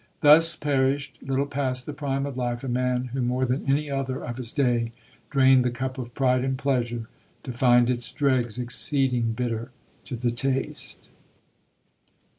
Thus perished, little past the prime of life, a man who more than any other of his day drained the cup of pride and pleasure, to find its dregs exceeding bitter to the taste.